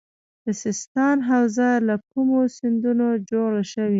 د سیستان حوزه له کومو سیندونو جوړه شوې؟